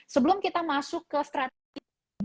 sebelum kita masuk ke strategi